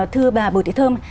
thưa bà bồ thị thơm